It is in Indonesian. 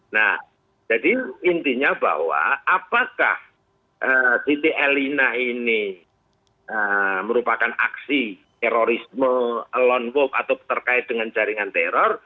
nah jadi intinya bahwa apakah siti elina ini merupakan aksi terorisme lone wolf atau terkait dengan jaringan teror